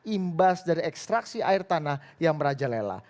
imbas dari ekstraksi air tanah yang merajalela